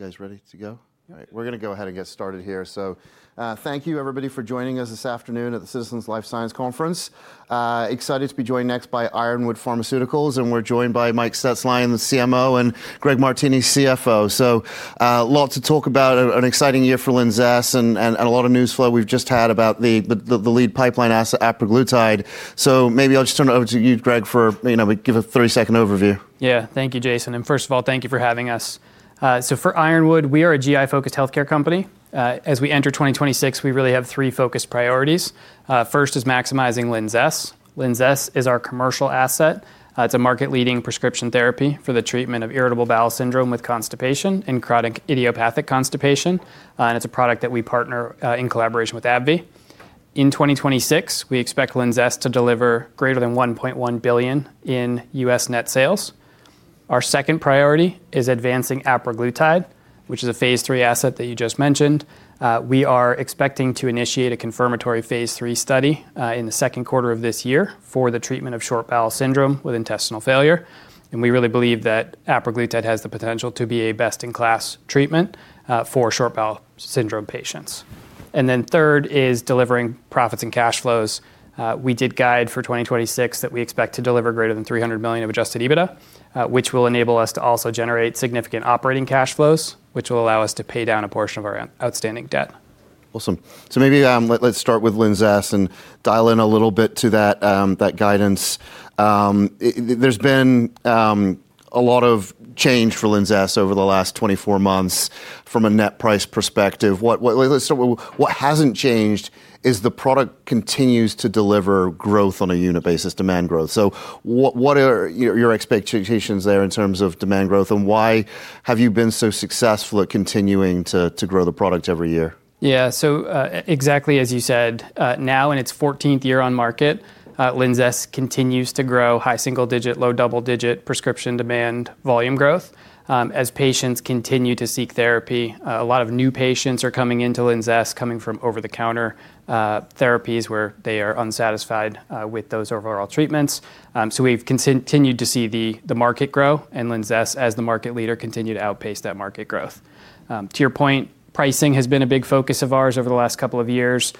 You guys ready to go? All right. We're gonna go ahead and get started here. Thank you everybody for joining us this afternoon at the Citizens Life Sciences Conference. Excited to be joined next by Ironwood Pharmaceuticals, and we're joined by Michael Shetzline, the CMO, and Greg Martini, CFO. A lot to talk about, an exciting year for LINZESS, and a lot of news flow we've just had about the lead pipeline asset apraglutide. Maybe I'll just turn it over to you, Greg, for you know give a 30-second overview. Yeah. Thank you, Jason, and first of all, thank you for having us. For Ironwood, we are a GI-focused healthcare company. As we enter 2026, we really have three focus priorities. First is maximizing LINZESS. LINZESS is our commercial asset. It's a market-leading prescription therapy for the treatment of irritable bowel syndrome with constipation and chronic idiopathic constipation, and it's a product that we partner in collaboration with AbbVie. In 2026, we expect LINZESS to deliver greater than $1.1 billion in U.S. net sales. Our second priority is advancing apraglutide, which is a Phase III asset that you just mentioned. We are expecting to initiate a confirmatory Phase III study in the Q2 of this year for the treatment of short bowel syndrome with intestinal failure, and we really believe that apraglutide has the potential to be a best-in-class treatment for short bowel syndrome patients. Then third is delivering profits and cash flows. We did guide for 2026 that we expect to deliver greater than $300 million of adjusted EBITDA, which will enable us to also generate significant operating cash flows, which will allow us to pay down a portion of our outstanding debt. Awesome. Maybe let's start with LINZESS and dial in a little bit to that guidance. There's been a lot of change for LINZESS over the last 24 months from a net price perspective. What. Let's start with what hasn't changed is the product continues to deliver growth on a unit basis, demand growth. What are your expectations there in terms of demand growth, and why have you been so successful at continuing to grow the product every year? Yeah. Exactly as you said, now in its 14th year on market, LINZESS continues to grow high single-digit, low double-digit prescription demand volume growth, as patients continue to seek therapy. A lot of new patients are coming into LINZESS coming from over-the-counter therapies where they are unsatisfied with those overall treatments. We've continued to see the market grow and LINZESS, as the market leader, continue to outpace that market growth. To your point, pricing has been a big focus of ours over the last couple of years.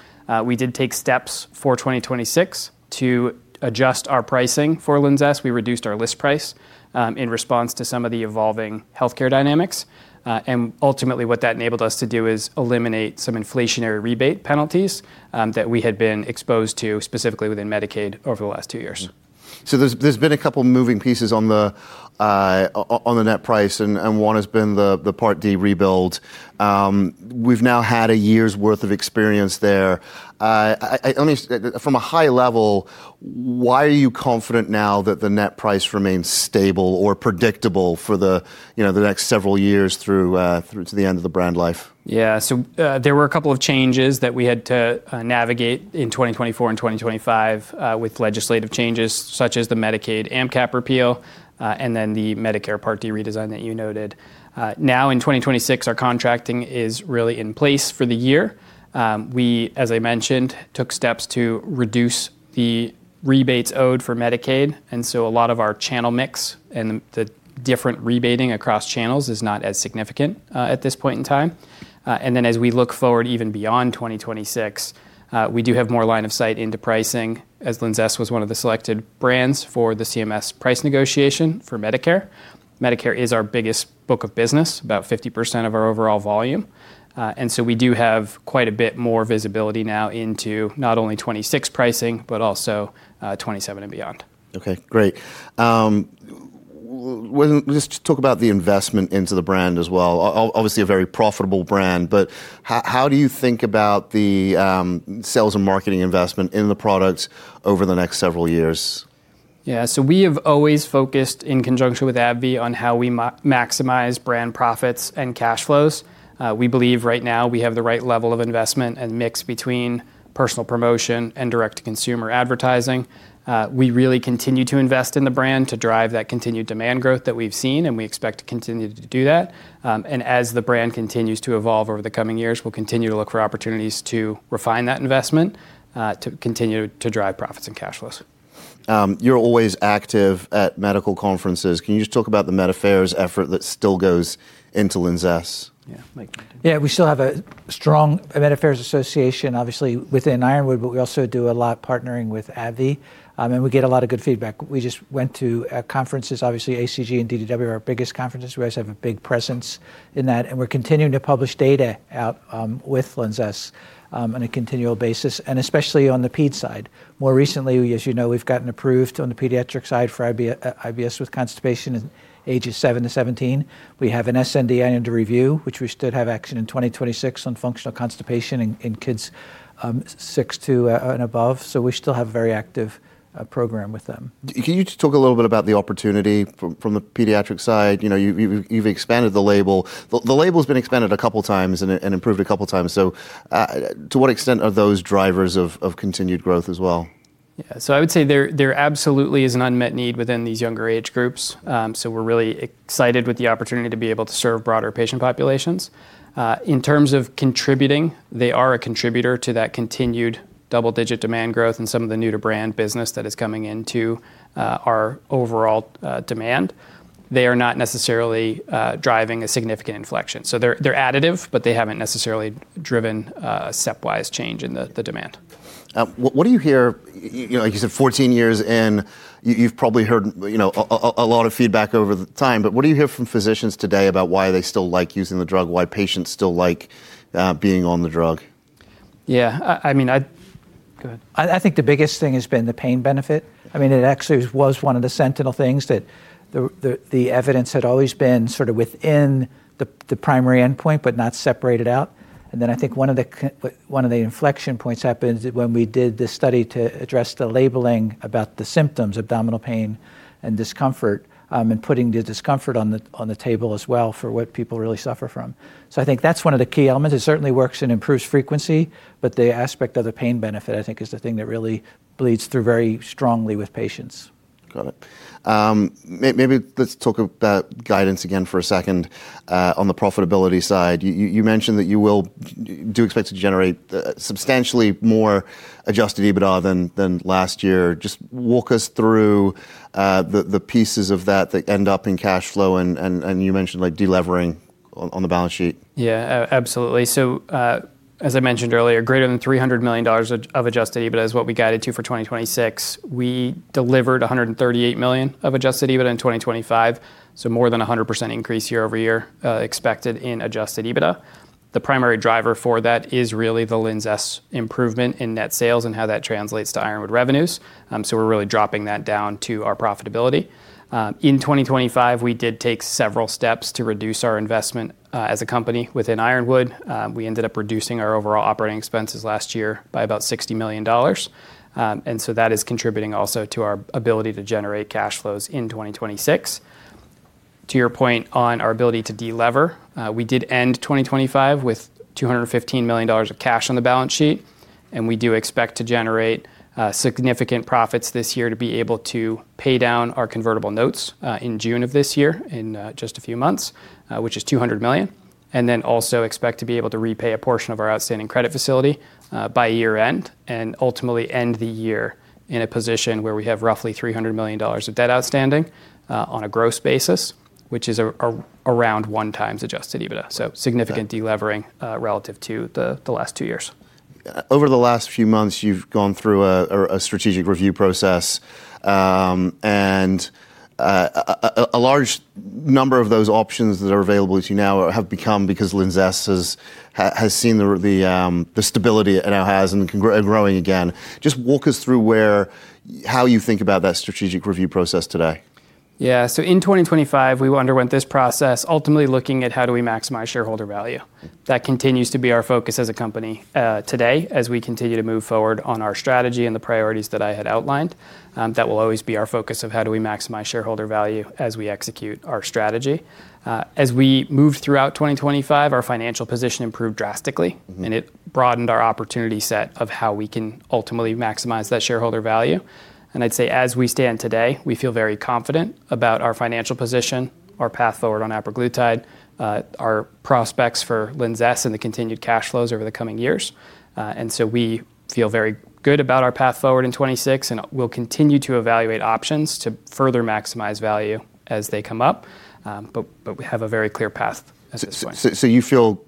We did take steps for 2026 to adjust our pricing for LINZESS. We reduced our list price in response to some of the evolving healthcare dynamics. Ultimately what that enabled us to do is eliminate some inflationary rebate penalties that we had been exposed to specifically within Medicaid over the last two years. There's been a couple of moving pieces on the net price and one has been the Part D redesign. We've now had a year's worth of experience there. From a high level, why are you confident now that the net price remains stable or predictable for the, you know, the next several years through to the end of the brand life? Yeah. There were a couple of changes that we had to navigate in 2024 and 2025 with legislative changes, such as the Medicaid AMP cap repeal, and then the Medicare Part D redesign that you noted. Now in 2026, our contracting is really in place for the year. We, as I mentioned, took steps to reduce the rebates owed for Medicaid, and so a lot of our channel mix and the different rebating across channels is not as significant at this point in time. As we look forward even beyond 2026, we do have more line of sight into pricing, as LINZESS was one of the selected brands for the CMS price negotiation for Medicare. Medicare is our biggest book of business, about 50% of our overall volume, and so we do have quite a bit more visibility now into not only 2026 pricing, but also 2027 and beyond. Okay. Great. We'll just talk about the investment into the brand as well. Obviously a very profitable brand, but how do you think about the sales and marketing investment in the products over the next several years? Yeah. We have always focused in conjunction with AbbVie on how we maximize brand profits and cash flows. We believe right now we have the right level of investment and mix between personal promotion and direct-to-consumer advertising. We really continue to invest in the brand to drive that continued demand growth that we've seen, and we expect to continue to do that. As the brand continues to evolve over the coming years, we'll continue to look for opportunities to refine that investment to continue to drive profits and cash flows. You're always active at medical conferences. Can you just talk about the med affairs effort that still goes into LINZESS? Yeah. Michael. Yeah. We still have a strong med affairs association obviously within Ironwood, but we also do a lot partnering with AbbVie, and we get a lot of good feedback. We just went to conferences, obviously ACG and DDW are our biggest conferences. We always have a big presence in that, and we're continuing to publish data out with LINZESS on a continual basis, and especially on the ped side. More recently, as you know, we've gotten approved on the pediatric side for IBS with constipation in ages seven years-17 years. We have an SNDA under review, which we should have action in 2026 on functional constipation in kids six years and above. We still have a very active program with them. Can you just talk a little bit about the opportunity from a pediatric side? You know, you've expanded the label. The label's been expanded a couple of times and improved a couple of times. To what extent are those drivers of continued growth as well? Yeah. I would say there absolutely is an unmet need within these younger age groups. We're really excited with the opportunity to be able to serve broader patient populations. In terms of contributing, they are a contributor to that continued double-digit demand growth and some of the new-to-brand business that is coming into our overall demand. They are not necessarily driving a significant inflection. They're additive, but they haven't necessarily driven a stepwise change in the demand. What do you hear? You know, like you said, 14 years in, you've probably heard, you know, a lot of feedback over time, but what do you hear from physicians today about why they still like using the drug, why patients still like being on the drug? Yeah. I mean, go ahead. I think the biggest thing has been the pain benefit. I mean, it actually was one of the sentinel things that the evidence had always been sort of within the primary endpoint, but not separated out. I think one of the inflection points happened when we did this study to address the labeling about the symptoms, abdominal pain and discomfort, and putting the discomfort on the table as well for what people really suffer from. I think that's one of the key elements. It certainly works and improves frequency, but the aspect of the pain benefit, I think, is the thing that really bleeds through very strongly with patients. Got it. Maybe let's talk about guidance again for a second, on the profitability side. You mentioned that you do expect to generate substantially more adjusted EBITDA than last year. Just walk us through the pieces of that end up in cash flow and you mentioned like delevering on the balance sheet. Yeah. Absolutely. As I mentioned earlier, greater than $300 million of adjusted EBITDA is what we guided to for 2026. We delivered $138 million of adjusted EBITDA in 2025, more than 100% increase year-over-year expected in adjusted EBITDA. The primary driver for that is really the LINZESS improvement in net sales and how that translates to Ironwood revenues. We're really dropping that down to our profitability. In 2025, we did take several steps to reduce our investment as a company within Ironwood. We ended up reducing our overall operating expenses last year by about $60 million. That is contributing also to our ability to generate cash flows in 2026. To your point on our ability to delever, we did end 2025 with $215 million of cash on the balance sheet, and we do expect to generate significant profits this year to be able to pay down our convertible notes in June of this year, in just a few months, which is $200 million. Also expect to be able to repay a portion of our outstanding credit facility by year-end, and ultimately end the year in a position where we have roughly $300 million of debt outstanding on a gross basis, which is around 1x adjusted EBITDA. Okay... delevering relative to the last two years. Over the last few months, you've gone through a strategic review process, and a large number of those options that are available to you now have become because LINZESS has seen the stability it now has and can grow and growing again. Just walk us through where, how you think about that strategic review process today. In 2025, we underwent this process, ultimately looking at how do we maximize shareholder value. That continues to be our focus as a company today, as we continue to move forward on our strategy and the priorities that I had outlined, that will always be our focus of how do we maximize shareholder value as we execute our strategy. As we move throughout 2025, our financial position improved drastically. Mm-hmm... it broadened our opportunity set of how we can ultimately maximize that shareholder value. I'd say as we stand today, we feel very confident about our financial position, our path forward on apraglutide, our prospects for LINZESS and the continued cash flows over the coming years. We feel very good about our path forward in 2026, and we'll continue to evaluate options to further maximize value as they come up, but we have a very clear path as it. You feel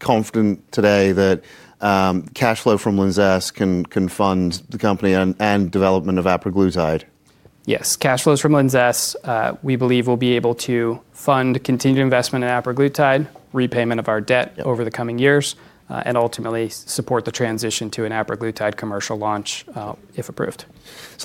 confident today that cash flow from LINZESS can fund the company and development of apraglutide? Yes. Cash flows from LINZESS, we believe will be able to fund continued investment in apraglutide, repayment of our debt over the coming years, and ultimately support the transition to an apraglutide commercial launch, if approved.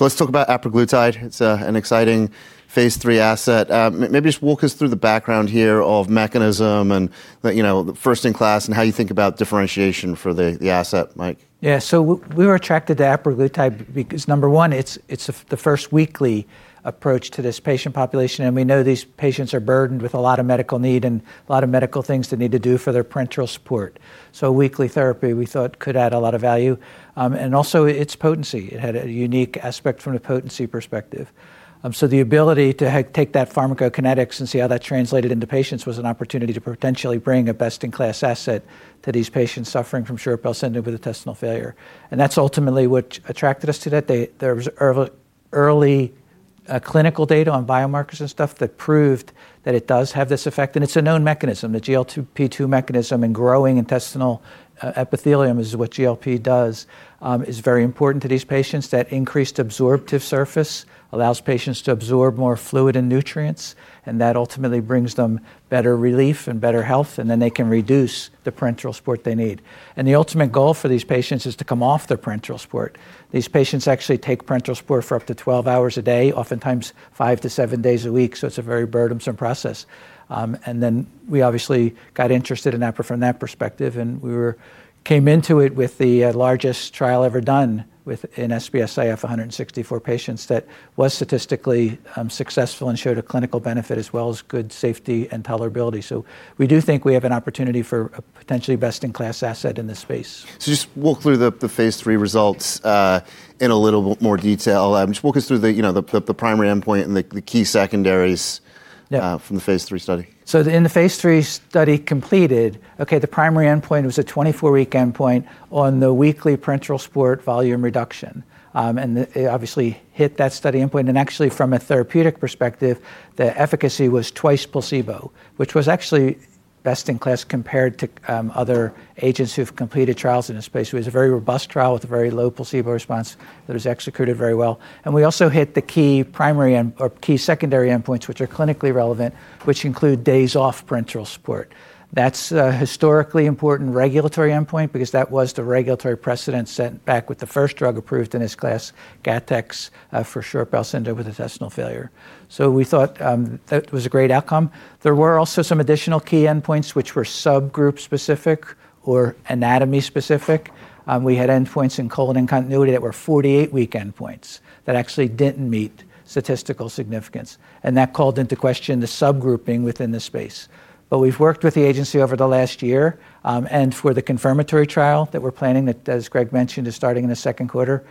Let's talk about apraglutide. It's an exciting phase three asset. Maybe just walk us through the background here of mechanism and the first in class and how you think about differentiation for the asset, Michael. Yeah. We were attracted to apraglutide because, number one, it's the first weekly approach to this patient population, and we know these patients are burdened with a lot of medical need and a lot of medical things they need to do for their parenteral support. Weekly therapy, we thought could add a lot of value. Also its potency. It had a unique aspect from the potency perspective. The ability to take that pharmacokinetics and see how that translated into patients was an opportunity to potentially bring a best-in-class asset to these patients suffering from short bowel syndrome with intestinal failure. That's ultimately what attracted us to that. There was early clinical data on biomarkers and stuff that proved that it does have this effect, and it's a known mechanism. The GLP-2 mechanism in growing intestinal epithelium is what GLP does is very important to these patients. That increased absorptive surface allows patients to absorb more fluid and nutrients, and that ultimately brings them better relief and better health, and then they can reduce the parenteral support they need. The ultimate goal for these patients is to come off their parenteral support. These patients actually take parenteral support for up to 12 hours a day, oftentimes five days-seven days a week, so it's a very burdensome process. Then we obviously got interested in that from that perspective, came into it with the largest trial ever done with an SBS-IF of 164 patients that was statistically successful and showed a clinical benefit as well as good safety and tolerability. We do think we have an opportunity for a potentially best-in-class asset in this space. Just walk through the phase three results in a little more detail. Just walk us through, you know, the primary endpoint and the key secondaries. Yeah from the phase III study. In the phase III study completed, okay, the primary endpoint was a 24-week endpoint on the weekly parenteral support volume reduction. It obviously hit that study endpoint. Actually from a therapeutic perspective, the efficacy was twice placebo, which was actually best in class compared to other agents who've completed trials in this space. It was a very robust trial with a very low placebo response that was executed very well. We also hit the key primary or key secondary endpoints, which are clinically relevant, which include days off parenteral support. That's a historically important regulatory endpoint because that was the regulatory precedent set back with the first drug approved in this class, Gattex, for short bowel syndrome with intestinal failure. We thought that was a great outcome. There were also some additional key endpoints which were subgroup specific or anatomy specific. We had endpoints in colon-in-continuity that were 48-week endpoints that actually didn't meet statistical significance, and that called into question the subgrouping within the space. We've worked with the agency over the last year, and for the confirmatory trial that we're planning that, as Greg mentioned, is starting in the Q2,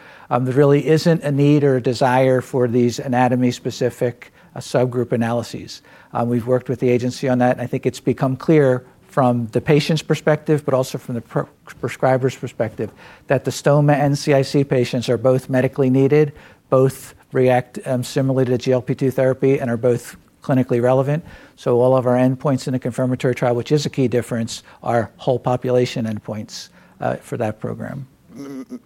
there really isn't a need or desire for these anatomy specific, subgroup analyses. We've worked with the agency on that, and I think it's become clear from the patient's perspective, but also from the prescriber's perspective, that the stoma and CIC patients are both medically needed, both react, similarly to the GLP-2 therapy and are both clinically relevant. All of our endpoints in a confirmatory trial, which is a key difference, are whole population endpoints for that program.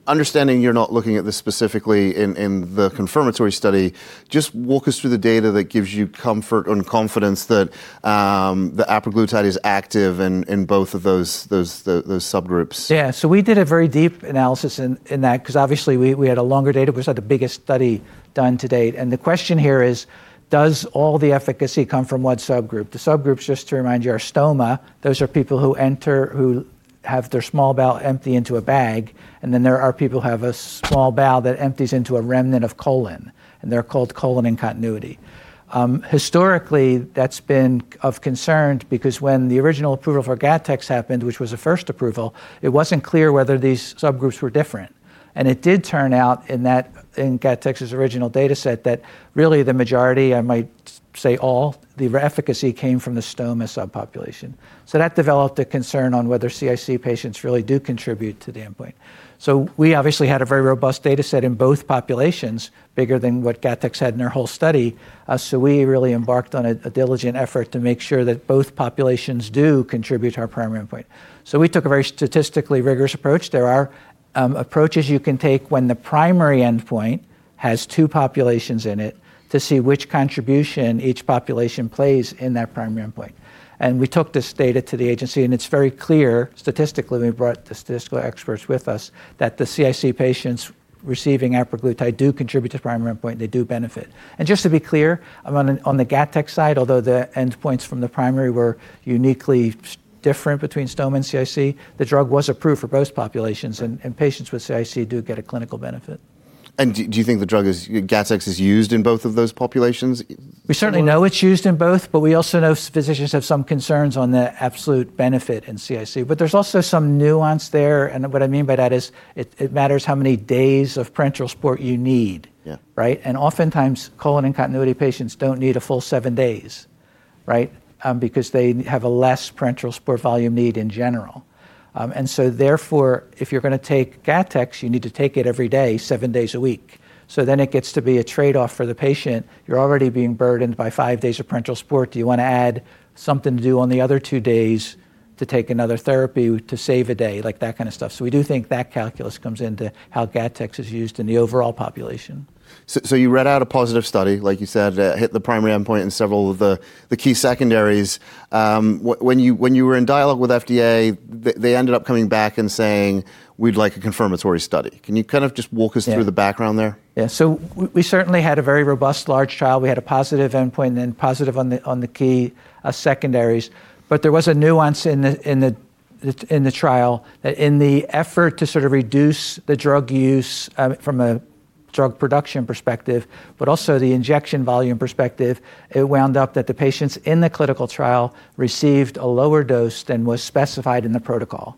Understanding you're not looking at this specifically in the confirmatory study, just walk us through the data that gives you comfort and confidence that the apraglutide is active in both of those subgroups. Yeah. We did a very deep analysis in that because obviously we had a longer data. We just had the biggest study done to date. The question here is, does all the efficacy come from one subgroup? The subgroups, just to remind you, are stoma. Those are people who have their small bowel empty into a bag, and then there are people who have a small bowel that empties into a remnant of colon, and they're called colon-in-continuity. Historically, that's been of concern because when the original approval for Gattex happened, which was the first approval, it wasn't clear whether these subgroups were different. It did turn out in that, in Gattex's original data set that really the majority, I might say all the efficacy came from the stoma subpopulation. That developed a concern on whether CIC patients really do contribute to the endpoint. We obviously had a very robust data set in both populations, bigger than what Gattex had in their whole study. We really embarked on a diligent effort to make sure that both populations do contribute to our primary endpoint. We took a very statistically rigorous approach. There are approaches you can take when the primary endpoint has two populations in it to see which contribution each population plays in that primary endpoint. We took this data to the agency, and it's very clear statistically, we brought the statistical experts with us, that the CIC patients receiving apraglutide do contribute to the primary endpoint, and they do benefit. Just to be clear on the Gattex side, although the endpoints from the primary were uniquely different between stoma and CIC, the drug was approved for both populations and patients with CIC do get a clinical benefit. Do you think Gattex is used in both of those populations? We certainly know it's used in both, but we also know physicians have some concerns on the absolute benefit in CIC. There's also some nuance there, and what I mean by that is it matters how many days of parenteral support you need. Yeah. Right? Oftentimes colon-in-continuity patients don't need a full seven days, right? Because they have a less parenteral support volume need in general. Therefore, if you're going to take Gattex, you need to take it every day, seven days a week. It gets to be a trade-off for the patient. You're already being burdened by five days of parenteral support. Do you want to add something to do on the other two days to take another therapy to save a day? Like that kind of stuff. We do think that calculus comes into how Gattex is used in the overall population. You read out a positive study, like you said, hit the primary endpoint in several of the key secondaries. When you were in dialogue with FDA, they ended up coming back and saying, "We'd like a confirmatory study." Can you kind of just walk us through the background there? Yeah. We certainly had a very robust large trial. We had a positive endpoint and then positive on the key secondaries. There was a nuance in the trial in the effort to sort of reduce the drug use from a drug production perspective, but also the injection volume perspective, it wound up that the patients in the clinical trial received a lower dose than was specified in the protocol.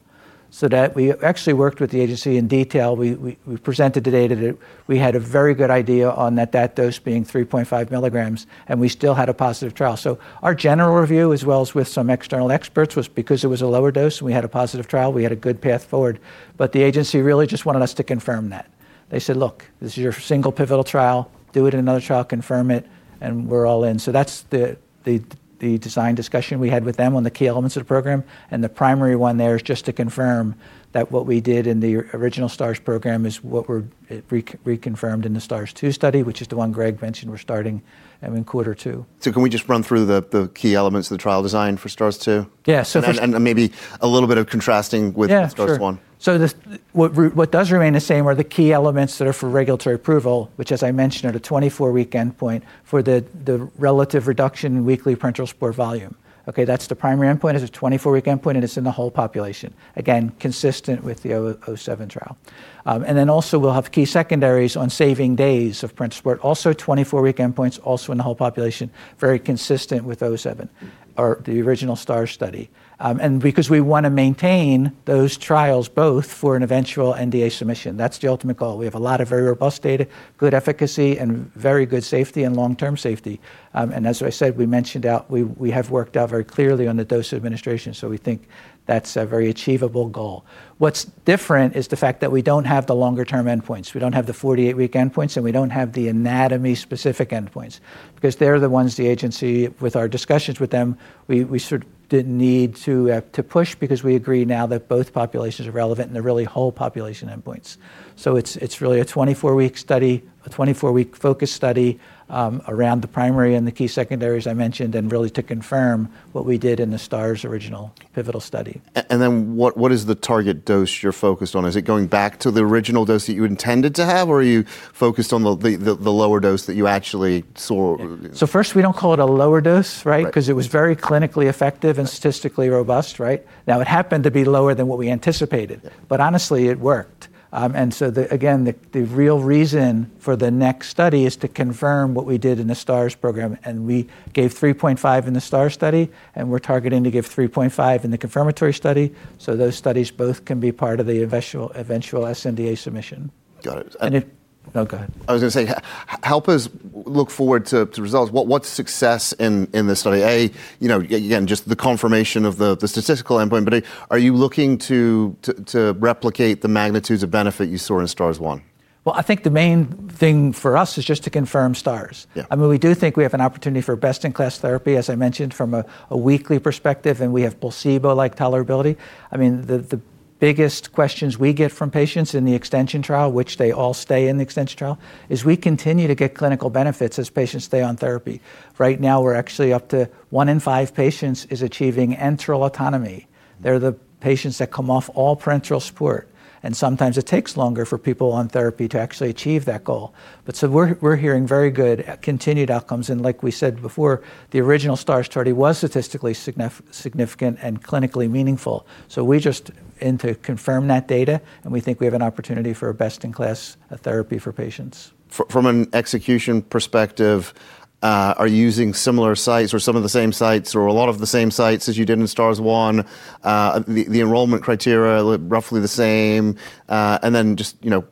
So that we actually worked with the agency in detail. We presented the data that we had a very good idea on that dose being 3.5 mg, and we still had a positive trial. Our general review, as well as with some external experts, was because it was a lower dose and we had a positive trial, we had a good path forward. The agency really just wanted us to confirm that. They said, "Look, this is your single pivotal trial. Do it in another trial, confirm it, and we're all in." That's the design discussion we had with them on the key elements of the program. The primary one there is just to confirm that what we did in the original STARS program is what we're reconfirmed in the STARS-2 study, which is the one Greg mentioned we're starting, I mean, Q2. Can we just run through the key elements of the trial design for STARS 2? Yeah. maybe a little bit of contrasting with- Yeah, sure. STARS-1. What does remain the same are the key elements that are for regulatory approval, which as I mentioned, are the 24-week endpoint for the relative reduction in weekly parenteral support volume. Okay, that's the primary endpoint. It's a 24-week endpoint, and it's in the whole population. Again, consistent with the 007 trial. And then also we'll have key secondaries on saving days of parenteral support. Also 24-week endpoints, also in the whole population, very consistent with 007 or the original STARS study. And because we want to maintain those trials both for an eventual NDA submission, that's the ultimate goal. We have a lot of very robust data, good efficacy and very good safety and long-term safety. As I said, we mentioned how we have worked out very clearly on the dose administration, so we think that's a very achievable goal. What's different is the fact that we don't have the longer-term endpoints. We don't have the 48-week endpoints, and we don't have the anatomy-specific endpoints. Because they're the ones the agency, with our discussions with them, we sort of didn't need to push because we agree now that both populations are relevant and they're really whole-population endpoints. It's really a 24-week study, a 24-week focus study, around the primary and the key secondaries I mentioned, and really to confirm what we did in the STARS original pivotal study. What is the target dose you're focused on? Is it going back to the original dose that you intended to have, or are you focused on the lower dose that you actually saw? First, we don't call it a lower dose, right? Right 'Cause it was very clinically effective and statistically robust, right? Now, it happened to be lower than what we anticipated, but honestly, it worked. Again, the real reason for the next study is to confirm what we did in the STARS program, and we gave 3.5 mg in the STARS study, and we're targeting to give 3.5 mg in the confirmatory study, so those studies both can be part of the eventual SNDA submission. Got it. Oh, go ahead. I was gonna say, help us look forward to results. What's success in this study? You know, again, just the confirmation of the statistical endpoint, but are you looking to replicate the magnitudes of benefit you saw in STARS 1? Well, I think the main thing for us is just to confirm STARS. Yeah. I mean, we do think we have an opportunity for best-in-class therapy, as I mentioned, from a weekly perspective, and we have placebo-like tolerability. I mean, the biggest questions we get from patients in the extension trial, which they all stay in the extension trial, is we continue to get clinical benefits as patients stay on therapy. Right now, we're actually up to one in five patients is achieving enteral autonomy. They're the patients that come off all parenteral support, and sometimes it takes longer for people on therapy to actually achieve that goal. We're hearing very good continued outcomes, and like we said before, the original STARS study was statistically significant and clinically meaningful. We just aim to confirm that data, and we think we have an opportunity for a best-in-class therapy for patients. From an execution perspective, are you using similar sites or some of the same sites or a lot of the same sites as you did in STARS 1? The enrollment criteria look roughly the same, and then just, you know,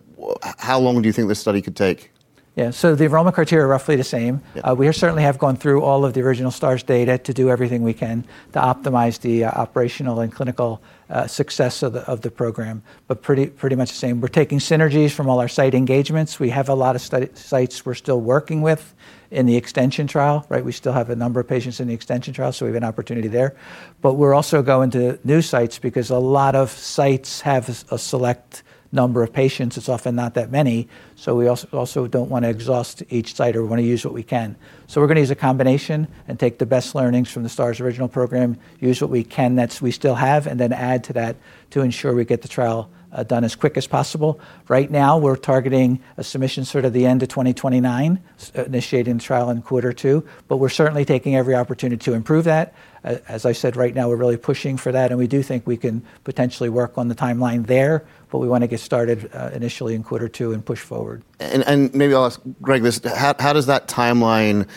how long do you think this study could take? Yeah. The enrollment criteria are roughly the same. Yeah. We certainly have gone through all of the original STARS data to do everything we can to optimize the operational and clinical success of the program, but pretty much the same. We're taking synergies from all our site engagements. We have a lot of study sites we're still working with in the extension trial, right? We still have a number of patients in the extension trial, so we have an opportunity there. We're also going to new sites because a lot of sites have a select number of patients. It's often not that many, so we also don't wanna exhaust each site. We wanna use what we can. We're gonna use a combination and take the best learnings from the STARS original program, use what we can that we still have, and then add to that to ensure we get the trial done as quick as possible. Right now, we're targeting a submission sort of the end of 2029, initiate the trial in Q2, but we're certainly taking every opportunity to improve that. As I said, right now, we're really pushing for that, and we do think we can potentially work on the timeline there, but we wanna get started initially in quarter two and push forward. Maybe I'll ask Greg this. How does that timeline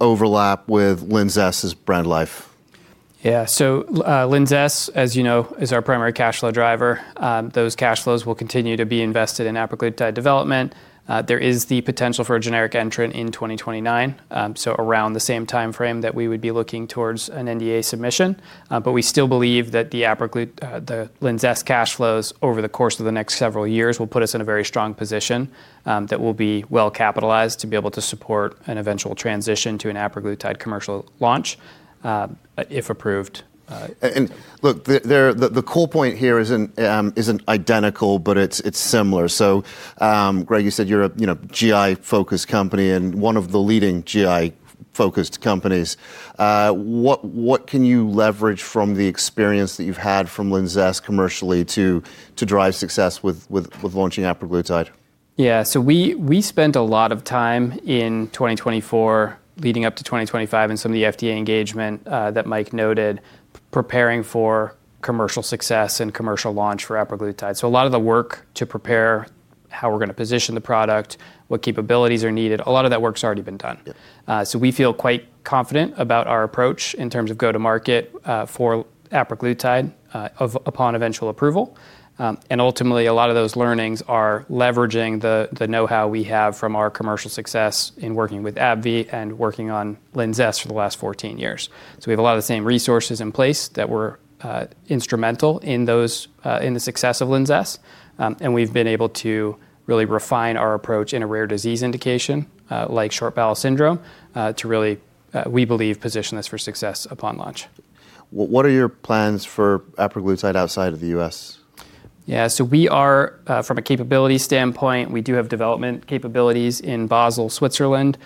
overlap with LINZESS' brand life? Yeah. LINZESS, as you know, is our primary cash flow driver. Those cash flows will continue to be invested in apraglutide development. There is the potential for a generic entrant in 2029, so around the same timeframe that we would be looking towards an NDA submission. We still believe that the LINZESS cash flows over the course of the next several years will put us in a very strong position, that we'll be well-capitalized to be able to support an eventual transition to an apraglutide commercial launch, if approved. Look, the cool point here isn't identical, but it's similar. Greg, you said you're a, you know, GI-focused company and one of the leading GI-focused companies. What can you leverage from the experience that you've had from LINZESS commercially to drive success with launching apraglutide? Yeah. We spent a lot of time in 2024 leading up to 2025 in some of the FDA engagement that Michael noted, preparing for commercial success and commercial launch for apraglutide. A lot of the work to prepare how we're gonna position the product, what capabilities are needed, a lot of that work's already been done. Yeah. We feel quite confident about our approach in terms of go-to-market for apraglutide upon eventual approval. Ultimately, a lot of those learnings are leveraging the know-how we have from our commercial success in working with AbbVie and working on LINZESS for the last 14 years. We have a lot of the same resources in place that were instrumental in the success of LINZESS, and we've been able to really refine our approach in a rare disease indication like short bowel syndrome to really we believe position this for success upon launch. What are your plans for apraglutide outside of the U.S.? Yeah. We are from a capability standpoint, we do have development capabilities in Basel, Switzerland.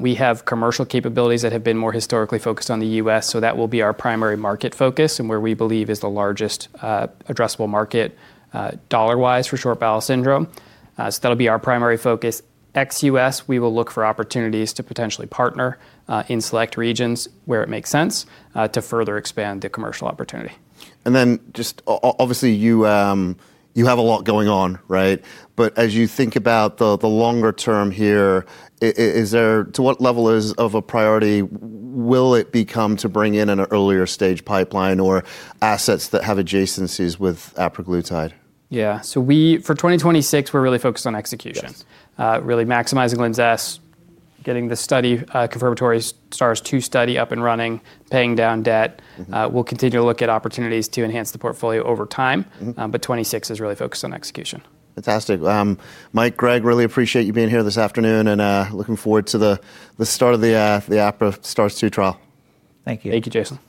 We have commercial capabilities that have been more historically focused on the U.S., so that will be our primary market focus and where we believe is the largest addressable market dollar-wise for Short Bowel Syndrome. That'll be our primary focus. Ex-U.S., we will look for opportunities to potentially partner in select regions where it makes sense to further expand the commercial opportunity. Just obviously, you have a lot going on, right? As you think about the longer term here, to what level of priority will it become to bring in an earlier stage pipeline or assets that have adjacencies with apraglutide? Yeah. We, for 2026, we're really focused on execution. Yes. Really maximizing LINZESS, getting the study, confirmatory STARS 2 study up and running, paying down debt. Mm-hmm. We'll continue to look at opportunities to enhance the portfolio over time. Mm-hmm. 2026 is really focused on execution. Fantastic. Michael, Greg, really appreciate you being here this afternoon, and looking forward to the start of the apraglutide STARS-2 trial. Thank you. Thank you, Jason.